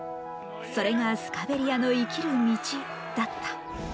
それがスカベリアの生きる道だった。